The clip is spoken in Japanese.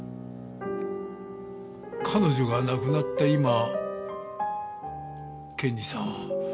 彼女が亡くなった今検事さん